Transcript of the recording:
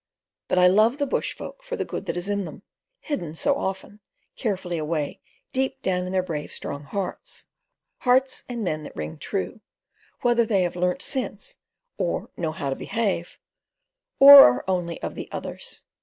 But I love the bush folk for the good that is in them, hidden, so often, carefully away deep down in their brave, strong hearts—hearts and men that ring true, whether they have "learnt sense," or "know how to behave," or are only of the others.